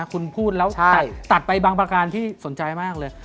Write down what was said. คุณพูดแล้วตัดไปบางประการที่สนใจมากเลย